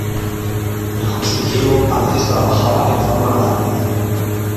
El Justiciero a veces trabajaba en forma gratuita.